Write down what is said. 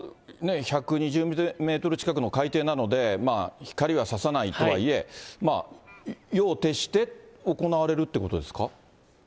１２０メートル近くの海底なので、光はささないとはいえ、夜を徹して行われるってことですか。